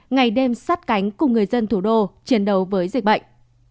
ngày đêm sát cánh cùng người dân thủ đô chiến đấu với dịch bệnh